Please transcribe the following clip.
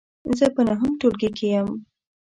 زه په نهم ټولګې کې یم .